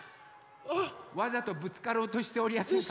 わざとぶつかろうとしておりやせんか？